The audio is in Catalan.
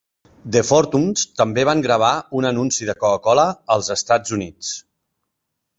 The Fortunes també van gravar un anunci de Coca-Cola als Estats Units.